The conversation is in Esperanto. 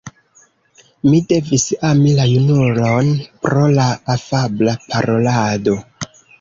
Mi devis ami la junulon pro la afabla parolado.